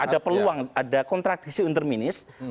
jadi ada peluang ada kontradiksi inter ministri